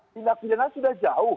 tindak pilihanan sudah jauh